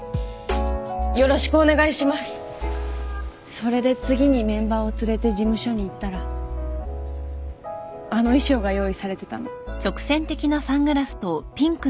それで次にメンバーを連れて事務所に行ったらあの衣装が用意されてたの。